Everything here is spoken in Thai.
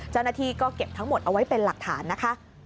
เจ้าหน้าที่ก็เก็บทั้งหมดเอาไว้เป็นหลักฐานนะคะ